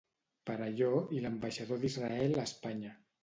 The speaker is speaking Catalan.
Perelló i l'ambaixador d'Israel a Espanya.